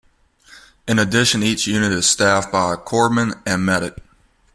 In addition each unit is staffed by a Corpsman or Medic.